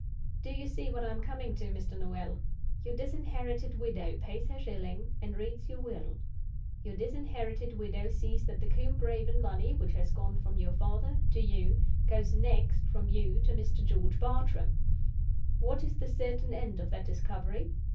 Do you see what I am coming to, Mr. Noel? Your disinherited widow pays her shilling, and reads your will. Your disinherited widow sees that the Combe Raven money, which has gone from your father to you, goes next from you to Mr. George Bartram. What is the certain end of that discovery?